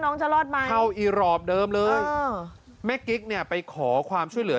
จะรอดไหมเข้าอีรอบเดิมเลยเออแม่กิ๊กเนี่ยไปขอความช่วยเหลือ